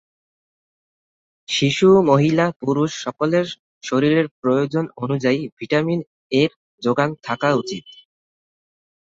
শিশু, মহিলা, পুরুষ সকলের শরীরের প্রয়োজন অনুযায়ী ভিটামিন ‘এ’ র যোগান থাকা উচিত।..